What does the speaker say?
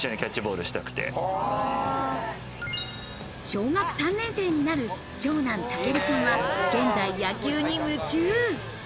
小学３年生になる長男・猛くんは現在、野球に夢中。